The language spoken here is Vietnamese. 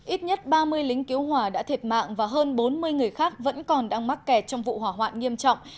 ít nhất ba mươi lính cứu hỏa đã thiệt mạng và hơn bốn mươi người khác vẫn còn đang mắc kẹt trong vụ hỏa hoạn nghiêm trọng